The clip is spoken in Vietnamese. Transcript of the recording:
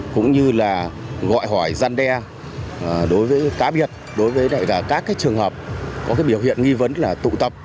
cũng như là gọi hỏi gian đe đối với cá biệt đối với các trường hợp có biểu hiện nghi vấn là tụ tập